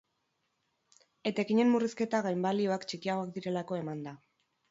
Etekinen murrizketa gainbalioak txikiagoak direlako eman da.